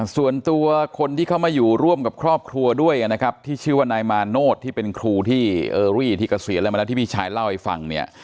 ส่วนตัวคนที่เข้ามาอยู่ร่วมกับครอบครัวด้วยนะครับที่ชื่อว่านายมาโนธที่เป็นครูที่เออรี่ที่เกษียณอะไรมาแล้วที่พี่ชายเล่าให้ฟังเนี่ย